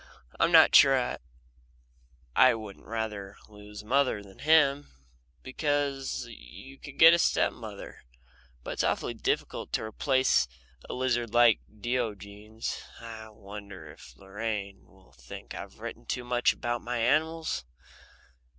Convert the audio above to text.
I'm not sure I wouldn't rather lose mother than him, because you can get a step mother, but it's awfully difficult to replace a lizard like Diogenes. I wonder if Lorraine will think I've written too much about my animals?